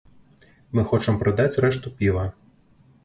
Мы хочам прадаць рэшту піва.